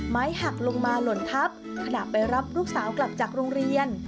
หักลงมาหล่นทับขณะไปรับลูกสาวกลับจากโรงเรียน